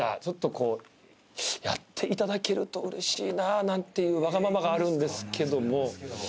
ちょっとやっていただけるとうれしいなぁなんていうわがままがあるんですけども。